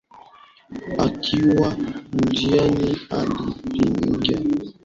Akiwa njiani alimpigia simu Bi Anita na kumueleza yote yaliyotokea